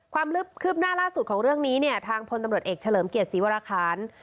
ความคืบหน้าล่าสุดของเรื่องนี้เนี่ยทางพลตำรวจเอกเฉลิมเกียรติศรีวรคาร